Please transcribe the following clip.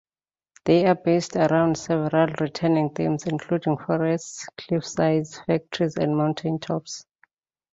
They are based around several returning themes including forests, cliff-sides, factories and mountain tops.